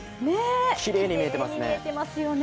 きれいに見えていますね。